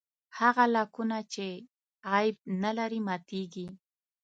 هغه لاکونه چې عیب نه لري ماتېږي.